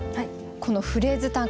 この「フレーズ短歌」